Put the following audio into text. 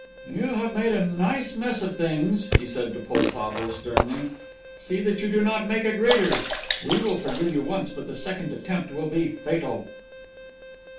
"You have made a nice mess of things," he said to Poltavo, sternly; "see that you do not make a greater. We will forgive you once, but the second attempt will be fatal."